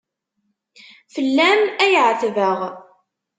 Fell-am ay εetbeɣ.